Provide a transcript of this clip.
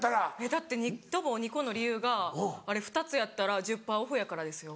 だってニット帽２個の理由が２つやったら１０％オフやからですよ。